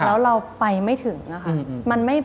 แล้วเราไปไม่ถึงอะค่ะ